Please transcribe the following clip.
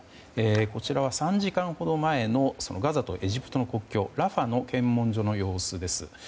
３時間ほど前のガザとエジプトの国境ラファの検問所の様子です。